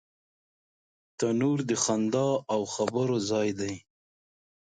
تنور د خندا او خبرو ځای دی